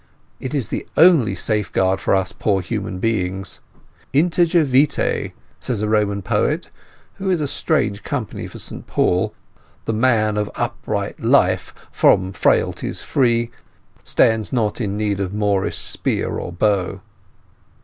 It is the only safeguard for us poor human beings. 'Integer vitae,' says a Roman poet, who is strange company for St Paul— The man of upright life, from frailties free, Stands not in need of Moorish spear or bow.